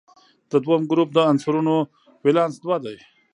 د دویم ګروپ د عنصرونو ولانس دوه دی.